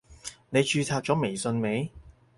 你註冊咗微信未？